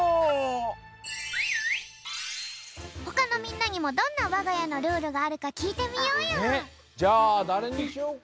ほかのみんなにもどんなわがやのルールがあるかきいてみようよ。